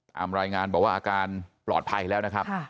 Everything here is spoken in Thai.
ตามรายงานบอกว่าอาการปลอดภัยแล้วนะครับ